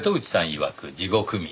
いわく地獄耳。